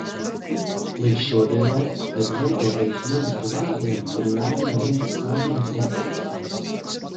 Līdz šodienai, pēc zemkopības ministra vārdiem, tur nav neviens santīms ienācis.